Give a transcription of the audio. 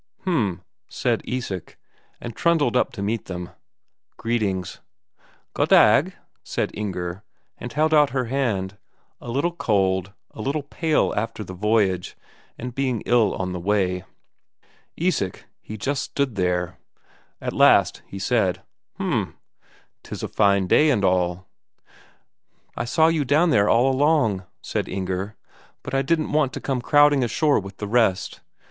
"H'm," said Isak, and trundled up to meet them. Greetings: "Goddag," said Inger, and held out her hand; a little cold, a little pale after the voyage, and being ill on the way. Isak, he just stood there; at last he said: "H'm. 'Tis a fine day and all." "I saw you down there all along," said Inger. "But I didn't want to come crowding ashore with the rest.